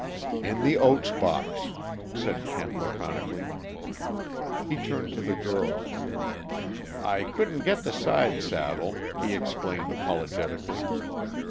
"In the oats box," said Kent laconically. He turned to the girl. "I couldn't get the sidesaddle," he explained apologetically.